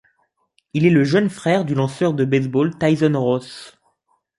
Il est le jeune frère du lanceur de baseball Tyson Ross.